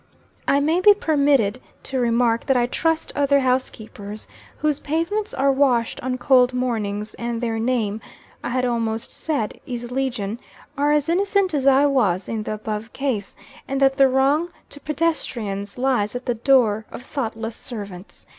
I may be permitted to remark, that I trust other housekeepers, whose pavements are washed on cold mornings and their name, I had almost said, is legion are as innocent as I was in the above case, and that the wrong to pedestrians lies at the door of thoughtless servants.